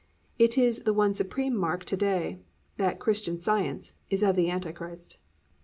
It is the one supreme mark to day, that "Christian Science" is of the Anti Christ.